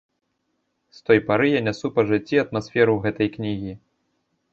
З той пары я нясу па жыцці атмасферу гэтай кнігі.